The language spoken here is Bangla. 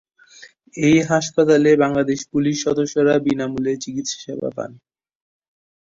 এই হাসপাতালে বাংলাদেশ পুলিশ সদস্যরা বিনা মূল্যে চিকিৎসাসেবা পান।